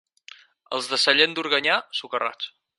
Els de Sallent d'Organyà, socarrats.